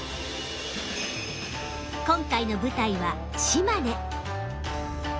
今回の舞台は島根。